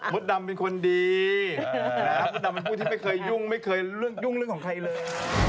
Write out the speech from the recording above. ดำเป็นคนดีมดดำเป็นผู้ที่ไม่เคยยุ่งไม่เคยยุ่งเรื่องของใครเลย